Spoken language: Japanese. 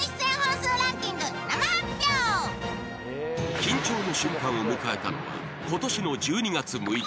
緊張の瞬間を迎えたのが今年の１２月６日。